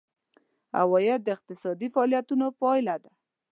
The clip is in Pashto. عواید د اقتصادي فعالیتونو پایله ده.